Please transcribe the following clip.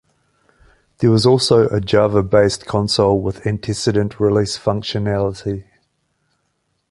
There was also a Java-based console with antecedent release functionality.